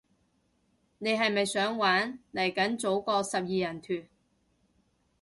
你係咪想玩，嚟緊組個十二人團